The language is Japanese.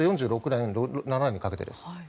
４６年、４７年にかけてです。